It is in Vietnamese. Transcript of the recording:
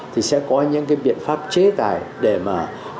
thì sẽ có những cái biện pháp chế tài để mà